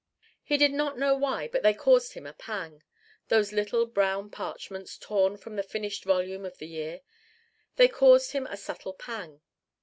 He did not know why, but they caused him a pang: those little brown parchments torn from the finished volume of the year: they caused him a subtle pang.